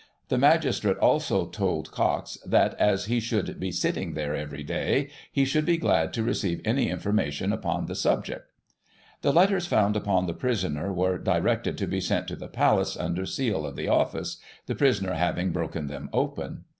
. The magistrate also told Cox that, as he should be sitting there every day, he should be glad to receive any informa : tion upon the subject . The letters found upon the prisoner were directed to be sent to the Palace, under seal of the Office, the prisoner hav ing broken them open.